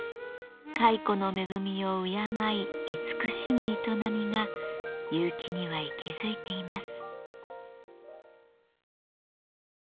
蚕の恵みを敬い慈しむ営みが結城には息づいています。